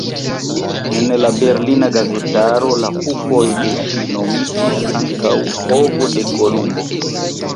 En la berlina gazetaro la pupoj de ŝi nomitis ankaŭ "ovo de Kolumbo".